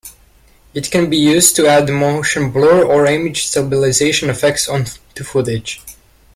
It can be used to add motion blur or image stabilization effects to footage.